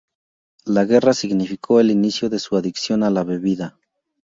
La guerra significó el inicio de su adicción a la bebida.